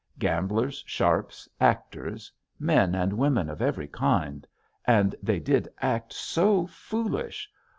Gamblers, sharps, actors, men and women of every kind and they did act so foolish!